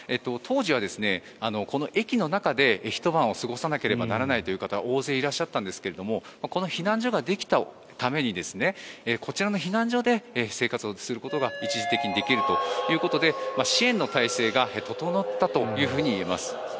当時は駅の中で、ひと晩を過ごさなければいけない方が大勢いらっしゃったんですがこの避難所ができたためにこちらの避難所で生活をすることが一時的にできるということで支援の体制が整ったというふうに言えます。